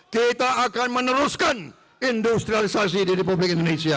kita akan meneruskan industrialisasi di republik indonesia